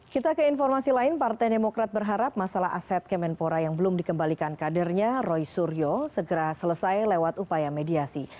kita ke informasi lain partai demokrat berharap masalah aset kemenpora yang belum dikembalikan kadernya roy suryo segera selesai lewat upaya mediasi